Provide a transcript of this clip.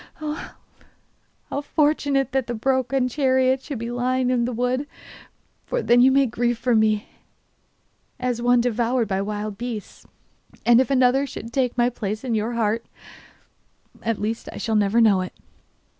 Ah, how fortunate that the broken chariot should be lying in the wood, for then you may grieve for me as one devoured by wild beasts. And if another should take my place in your heart Well, at least I shall never know it.